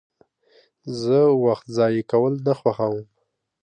زه وخت ضایع کول نه خوښوم.